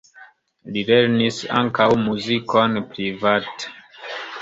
Li lernis ankaŭ muzikon private.